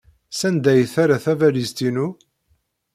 Sanda ay terra tabalizt-inu?